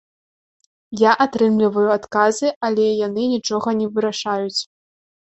Я атрымліваю адказы, але яны нічога не вырашаюць.